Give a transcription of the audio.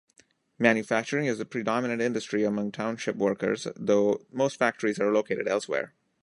Manufacturing is the predominant industry among township workers, though most factories are located elsewhere.